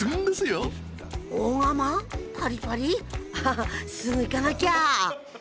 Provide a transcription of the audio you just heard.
アハハすぐ行かなきゃ！